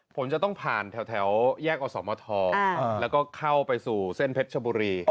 ผมจะต้องผ่านแถวแยกอสมทแล้วก็เข้าไปสู่เส้นเพชรชบุรี